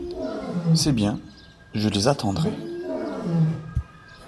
C’est bien ; je les attendrai…